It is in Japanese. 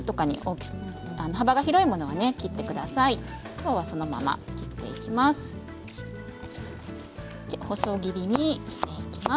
きょうはそのままいきます。